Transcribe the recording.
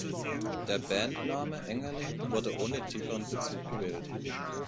Der Bandname Engerling wurde ohne tieferen Bezug gewählt.